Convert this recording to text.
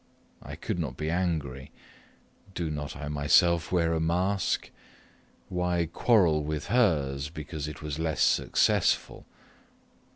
I could not be angry Did not I myself wear a mask? Why quarrel with hers, because it was less successful?